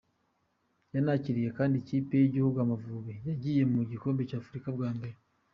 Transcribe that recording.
Yanakiniye kandi ikipe y’igihugu Amavubi yagiye mu gikombe cy’Afurika bwa mbere.